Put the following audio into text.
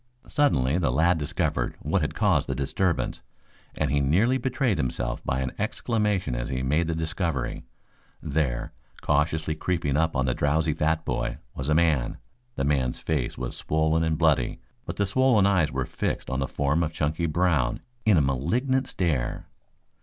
Suddenly the lad discovered what had caused the disturbance, and he nearly betrayed himself by an exclamation as he made the discovery. There, cautiously creeping up on the drowsy fat boy, was a man. The man's face was swollen and bloody, but the swollen eyes were fixed on the form of Chunky Brown in a malignant stare.